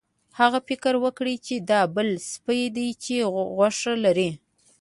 هغه فکر وکړ چې دا بل سپی دی چې غوښه لري.